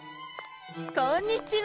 こんにちは。